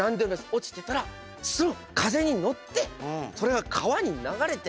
落ちてたらすぐ風に乗ってそれが川に流れて。